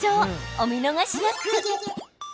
お見逃しなく。